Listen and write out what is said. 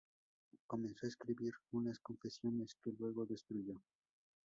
Comenzó a escribir unas "Confesiones" que luego destruyó.